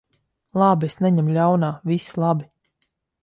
Labi. Es neņemu ļaunā. Viss labi.